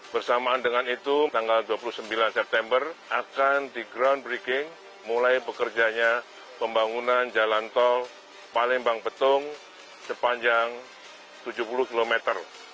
bersamaan dengan itu tanggal dua puluh sembilan september akan di groundbreaking mulai bekerjanya pembangunan jalan tol palembang betung sepanjang tujuh puluh kilometer